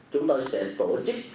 chúng tôi sẽ tổ chức